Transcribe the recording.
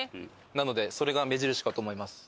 なのでそれが目印かと思います。